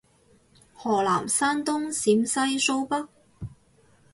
河南山東陝西蘇北